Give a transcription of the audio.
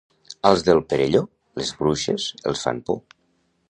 Als del Perelló, les bruixes els fan por.